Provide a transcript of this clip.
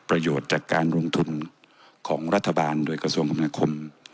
เป็นประโยชน์จากการลงทุนของรัฐบาลโดยกระทรวงคำนาคม